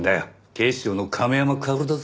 警視庁の亀山薫だぞ。